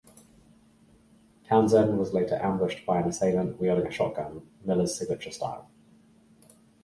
Townsend was later ambushed by an assailant wielding a shotgun, Miller's signature style.